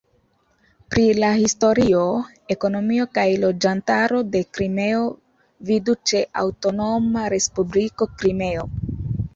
Pri la historio, ekonomio kaj loĝantaro de Krimeo vidu ĉe Aŭtonoma Respubliko Krimeo.